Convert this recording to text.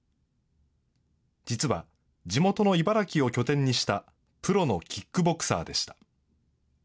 実は地元の茨城を拠点にしたプロのキックボクサーでした。